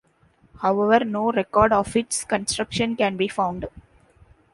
However, no record of its construction can be found.